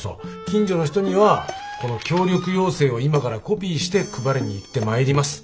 近所の人にはこの協力要請を今からコピーして配りに行ってまいります。